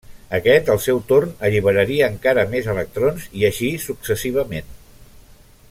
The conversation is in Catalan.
Aquests al seu torn alliberaria encara més electrons, i així successivament.